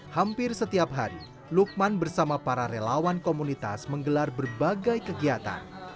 hampir setiap hari lukman bersama para relawan komunitas menggelar berbagai kegiatan